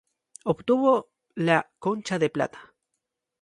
Obtuvo la Concha de Plata.